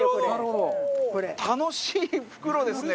楽しい袋ですねこれ。